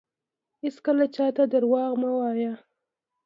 هیڅکله چاته درواغ مه وایه